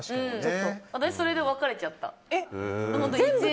私、それで別れちゃった。